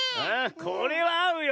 これはあうよ